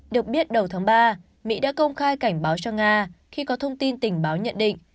được biết đầu tháng ba mỹ đã công khai cảnh báo cho nga khi có thông tin tình báo nhận định